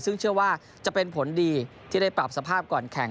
ซึ่งเชื่อว่าจะเป็นผลดีที่ได้ปรับสภาพก่อนแข่ง